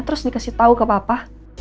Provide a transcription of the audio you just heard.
terus dikasih tahu ke papa